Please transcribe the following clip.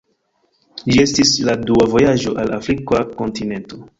Ĝi estis la dua vojaĝo al Afrika kontinento.